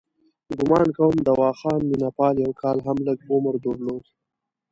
ګومان کوم دواخان مینه پال یو کال هم لږ عمر درلود.